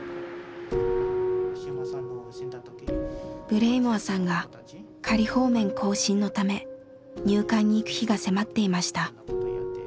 ブレイモアさんが仮放免更新のため入管に行く日が迫っていました。